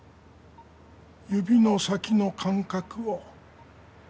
「指の先の感覚を」。